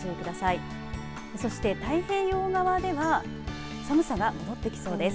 そして、太平洋側では寒さが戻ってきそうです。